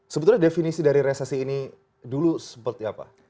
sebetulnya definisi dari resesi ini dulu seperti apa